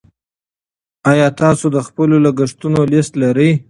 ایا تاسو د خپلو لګښتونو لیست لرئ.